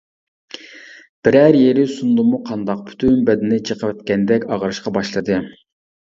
بىرەر يېرى سۇندىمۇ قانداق پۈتۈن بەدىنى چېقىۋەتكەندەك ئاغرىشقا باشلىدى.